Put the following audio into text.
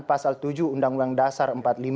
pasal tujuh uu dasar empat puluh lima